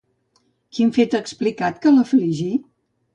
Quin fet ha explicat que l'afligí?